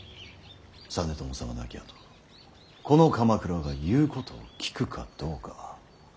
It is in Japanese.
実朝様亡きあとこの鎌倉が言うことを聞くかどうか。